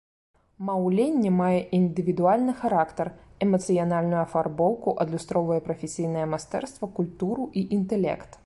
Маўленне мае індывідуальны характар, эмацыянальную афарбоўку, адлюстроўвае прафесійнае майстэрства, культуру і інтэлект.